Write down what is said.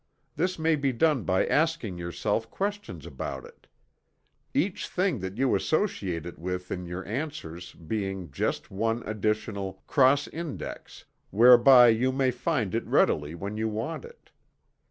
This may be done by asking yourself questions about it each thing that you associate it with in your answers being just one additional "cross index" whereby you may find it readily when you want it.